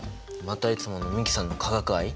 またいつもの美樹さんの化学愛？